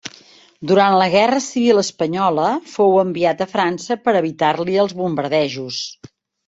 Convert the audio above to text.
Durant la guerra civil espanyola fou enviat a França per evitar-li els bombardejos.